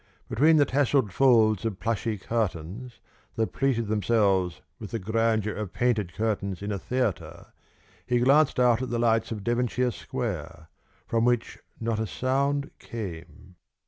Between the tasselled folds of plushy curtains that pleated themselves with the grandeur of painted curtains in a theatre, he glanced out at the lights of Devonshire Square, from which not a sound came.